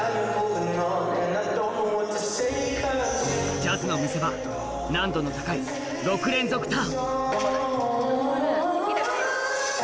ジャズの見せ場難度の高い６連続ターン